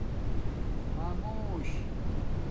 خآمُݸش